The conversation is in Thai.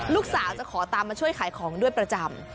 ลูกสาวจะขอตามมาช่วยขายของด้วยประจำ